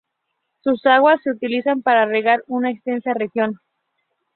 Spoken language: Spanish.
Sus aguas se utilizan para regar una extensa región.